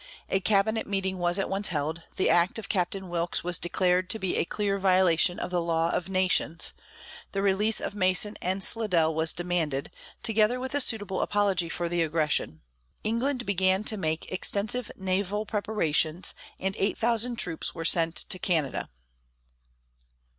A cabinet meeting was at once held, the act of Captain Wilkes was declared to be "a clear violation of the law of nations," the release of Mason and Slidell was demanded, together with a suitable apology for the aggression. England began to make extensive naval preparations, and eight thousand troops were sent to Canada.